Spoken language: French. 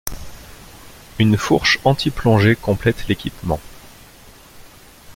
Une fourche anti-plongée complète l'équipement.